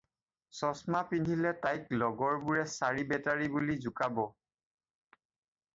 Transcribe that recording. চশমা পিন্ধিলে তাইক লগৰবোৰে চাৰি বেটেৰী বুলি জোকাব।